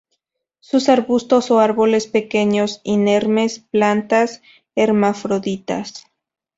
Son arbustos o árboles pequeños, inermes; plantas hermafroditas.